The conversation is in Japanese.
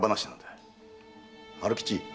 春吉